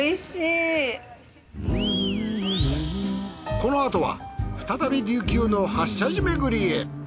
このあとは再び琉球の８社寺巡りへ。